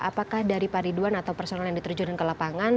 apakah dari pak ridwan atau personel yang diterjun ke lapangan